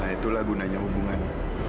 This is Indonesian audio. nah itulah gunanya hubungan